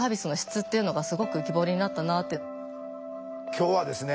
今日はですね